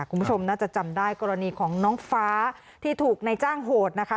คุณผู้ชมน่าจะจำได้กรณีของน้องฟ้าที่ถูกในจ้างโหดนะคะ